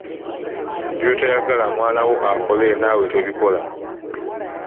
Byotayagala mwana wo akole naawe tobikola.